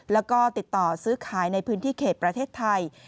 แล้วก็ติดต่อซื้อขายในพื้นที่เขตประเทศไทย